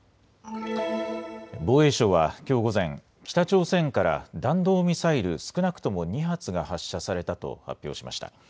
防衛省はきょう午前、北朝鮮から弾道ミサイル少なくとも２発が発射されたと発表しました。